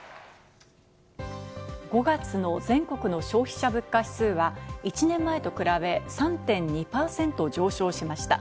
５月の全国の消費者物価指数は、１年前と比べ３．２％上昇しました。